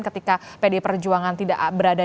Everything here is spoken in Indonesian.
ketika pdi perjuangan tidak berada